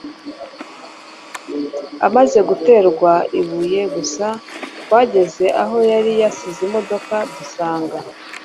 amaze guterwa ibuye gusa twageze aho yari yasize imodoka dusanga